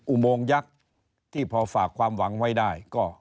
อุโมงยักษ์ที่พอฝากความหวังไว้ได้ก็